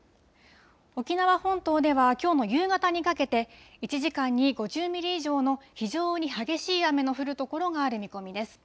沖縄本島ではきょうの夕方にかけて１時間に５０ミリ以上の非常に激しい雨の降る所がある見込みです。